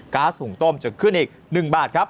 ๊าซหุ่งต้มจะขึ้นอีก๑บาทครับ